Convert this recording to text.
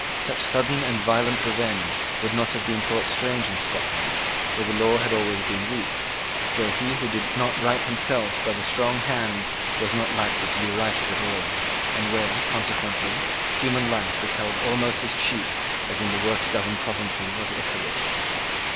Such sudden and violent revenge would not have been thought strange in Scotland, where the law had always been weak, where he who did not right himself by the strong hand was not likely to be righted at all, and where, consequently, human life was held almost as cheap as in the worst governed provinces of Italy.